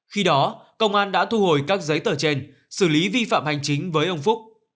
khi đó công an đã thu hồi các giấy tờ trên xử lý vi phạm hành chính với ông phúc